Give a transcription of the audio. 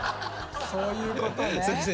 そういうことね。